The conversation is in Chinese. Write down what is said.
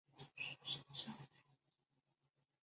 它也可以应用于诸如在追捕游戏中做为实际奖励。